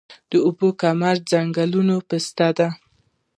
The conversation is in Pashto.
د اب کمري ځنګلونه پسته دي